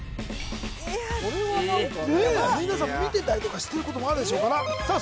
これは何かねねえ皆さん見てたりとかしてることもあるでしょうからさあ